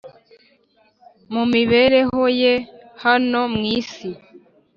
Mu mibereho ye hano mw,isi.